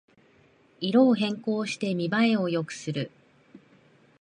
色を変更して見ばえを良くする